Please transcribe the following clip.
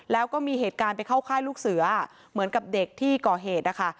แล้วก็มีเหตุการณ์ไปเข้าค่ายลูกเสือเหมือนกับเด็กที่ก่อเหตุนะคะ